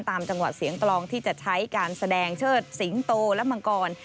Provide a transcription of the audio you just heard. ตามจังหวะเสียงกลองที่จะใช้การแสดงเชิดสิงโตและมังกร